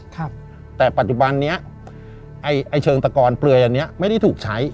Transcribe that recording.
ครับแต่ปัจจุบันเนี้ยไอ้ไอ้เชิงตะกอนเปลือยอันเนี้ยไม่ได้ถูกใช้